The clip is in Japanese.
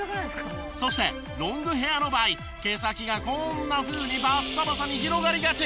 そしてロングヘアの場合毛先がこんなふうにバッサバサに広がりがち。